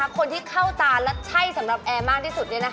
คนที่เข้าตาและใช่สำหรับแอร์มากที่สุด